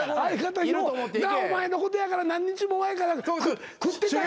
お前のことやから何日も前からくってたんやな。